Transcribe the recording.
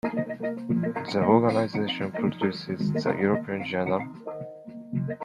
The organisation produces the European Journal.